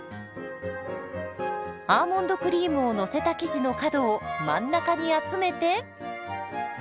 アーモンドクリームをのせた生地の角を真ん中に集めて。